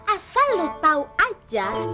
asal lu tau aja